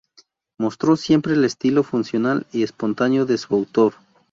Mostró siempre el estilo funcional y espontáneo de su autor.